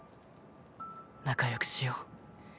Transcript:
仲良くしよう。